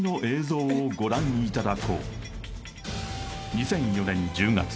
２００４年１０月